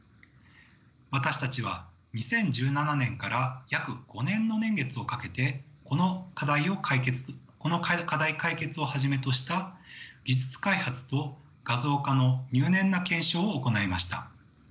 私たちは２０１７年から約５年の年月をかけてこの課題解決をはじめとした技術開発と画像化の入念な検証を行いました。